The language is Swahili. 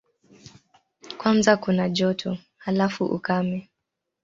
Kwanza kuna joto, halafu ukame.